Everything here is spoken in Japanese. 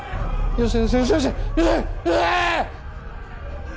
よせ！